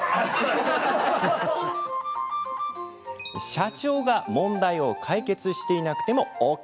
社長が問題を解決していなくてもＯＫ。